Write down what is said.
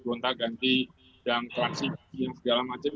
gonta ganti dan klasik dan segala macam